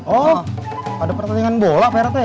oh ada pertandingan bola pertek